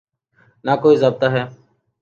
نہ کوئی ضابطہ ہے۔